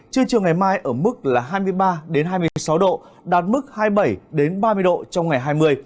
trưa chiều ngày mai ở mức là hai mươi ba hai mươi sáu độ đạt mức hai mươi bảy ba mươi độ trong ngày hai mươi